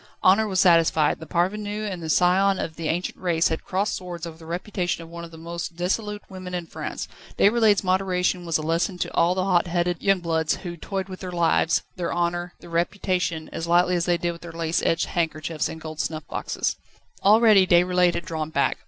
Honour was satisfied: the parvenu and the scion of the ancient race had crossed swords over the reputation of one of the most dissolute women in France. Déroulède's moderation was a lesson to all the hot headed young bloods who toyed with their lives, their honour, their reputation as lightly as they did with their lace edged handkerchiefs and gold snuff boxes. Already Déroulède had drawn back.